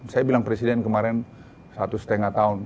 saya bilang presiden kemarin satu setengah tahun